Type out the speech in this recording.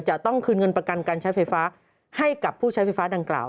จะต้องคืนเงินประกันการใช้ไฟฟ้าให้กับผู้ใช้ไฟฟ้าดังกล่าว